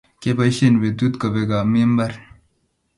kiapoisien petuu kobek omii mbar